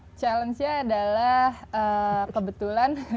nah challenge nya adalah kebetulan